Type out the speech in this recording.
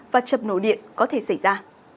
và chập nổ điện có thể xảy ra